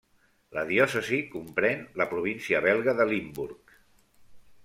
La diòcesi comprèn la província belga de Limburg.